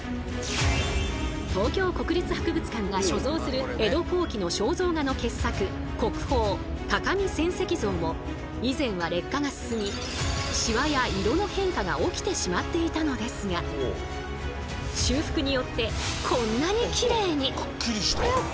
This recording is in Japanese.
東京国立博物館が所蔵する江戸後期の肖像画の傑作以前は劣化が進みシワや色の変化が起きてしまっていたのですが修復によってこんなにきれいに！